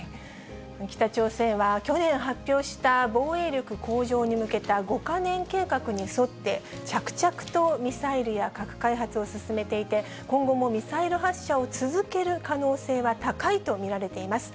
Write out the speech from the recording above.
北朝鮮は去年発表した防衛力向上に向けた５か年計画に沿って、着々とミサイルや核開発を進めていて、今後もミサイル発射を続ける可能性は高いと見られています。